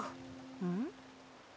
うん？